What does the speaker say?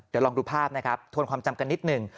เดี๋ยวลองดูภาพนะครับทวนความจำกันนิดหนึ่ง